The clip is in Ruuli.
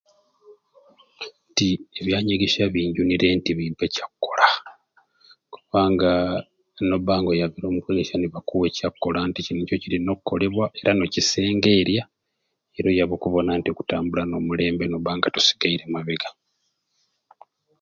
A nti ebyanyegesya binjunire nti bimpa ekyakkola kubanga nobba nga oyabire kuliisya nibakuwa ekyakkola nti kini nico kirina okkolebwa era n'okisengeerya era oyaba okubona nga okutambula na mulembe nga tosigaire mabega.